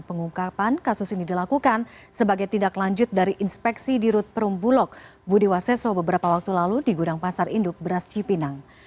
pengungkapan kasus ini dilakukan sebagai tindak lanjut dari inspeksi di rut perumbulok budi waseso beberapa waktu lalu di gudang pasar induk beras cipinang